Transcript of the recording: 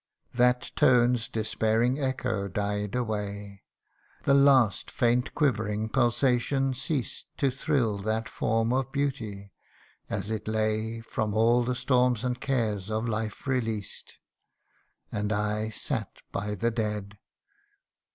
That tone's despairing echo died away ; The last faint quivering pulsation ceased To thrill that form of beauty, as it lay From all the storms and cares of life released : And I sat by the dead.